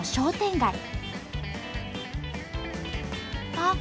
あっ！